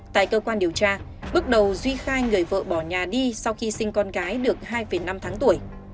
tại cơ quan điều tra bước đầu duy khai người vợ bỏ nhà đi sau khi sinh con gái được hai năm tháng tuổi